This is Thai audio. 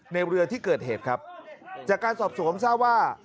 ในเรือที่เกิดเหตุครับจากการสอบสวนทราบว่า